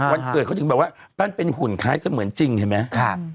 วันเกิดเขาถึงแบบว่าปั้นเป็นหุ่นคล้ายเสมือนจริงเห็นไหม